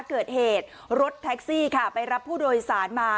เกิดเหตุรถแท็กซี่ค่ะไปรับผู้โดยสารมา